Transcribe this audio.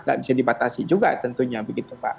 nggak bisa dibatasi juga tentunya begitu pak